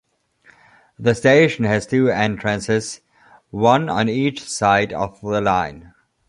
The station has two entrances, one on each side of the line.